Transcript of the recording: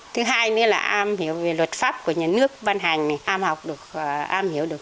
thứ hai nữa là am hiểu về luật pháp của nhà nước văn hành này am hiểu được